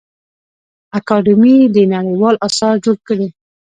اکاډمي دي نړیوال اثار جوړ کړي.